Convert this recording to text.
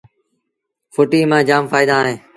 ڦُٽيٚ مآݩ جآم ڦآئيٚدآ اهيݩ